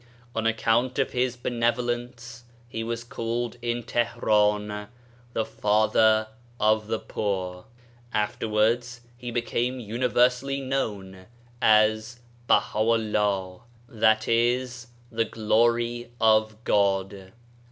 On account of his benevolence he was called, in Teheran, the " Father of the Poor. " Afterwards he became universally known as Baha'u'llah (i.e. "The Glory of God").